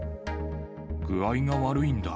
具合が悪いんだ。